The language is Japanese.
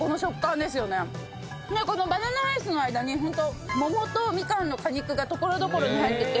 このバナナアイスの間にホント桃とみかんの果肉が所々に入ってて。